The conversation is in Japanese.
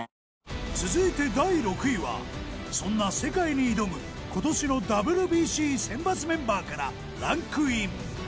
続いて第６位はそんな世界に挑む今年のＷＢＣ選抜メンバーからランクイン。